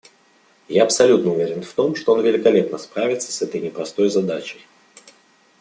Я абсолютно уверен в том, что он великолепно справится с этой непростой задачей.